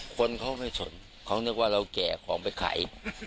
คนเขาไม่สนเขานึกว่าเราแก่ของไปขาย